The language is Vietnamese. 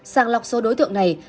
sàng lọc số đối tượng này